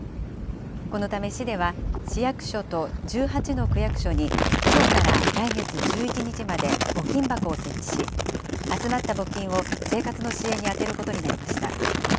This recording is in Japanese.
このため市では、市役所と１８の区役所にきょうから来月１１日まで募金箱を設置し、集まった募金を生活の支援に充てることになりました。